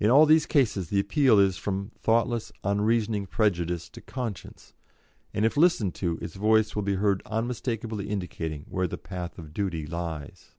In all these cases the appeal is from thoughtless, unreasoning prejudice to conscience, and, if listened to, its voice will be heard unmistakably indicating where the path of duty lies."